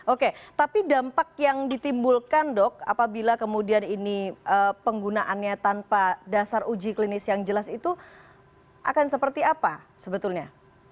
oke tapi dampak yang ditimbulkan dok apabila kemudian ini penggunaannya tanpa dasar uji klinis yang jelas itu akan seperti apa sebetulnya